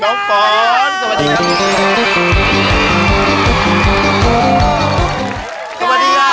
เท้าฟ้อนสวัสดีครับ